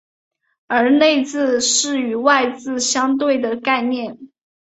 而内字是与外字相对的概念。